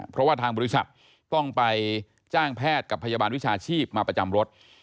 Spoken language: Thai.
เพราะว่าทางบริษัทต้องไปจ้างแพทย์กับพยาบาลวิชาชีพมาประจำรถ